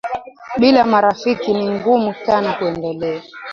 Bila marafiki ni ngumu sana kuendelea